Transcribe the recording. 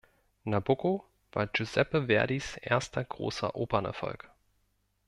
Nabucco war Giuseppe Verdis erster großer Opernerfolg.